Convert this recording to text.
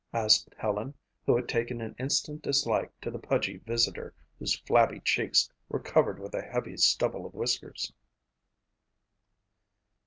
asked Helen, who had taken an instant dislike to the pudgy visitor whose flabby cheeks were covered with a heavy stubble of whiskers.